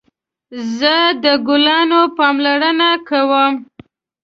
زه د ګلانو پاملرنه کوم